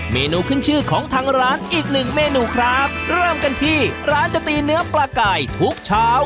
เมนูขึ้นชื่อของทางร้านอีกหนึ่งเมนูครับเริ่มกันที่ร้านจะตีเนื้อปลาไก่ทุกเช้า